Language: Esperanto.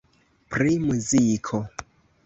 Pri muziko.